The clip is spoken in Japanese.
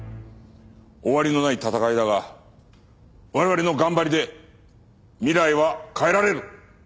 終わりのない闘いだが我々の頑張りで未来は変えられる！